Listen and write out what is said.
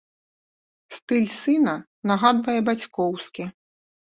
Стыль сына нагадвае бацькоўскі.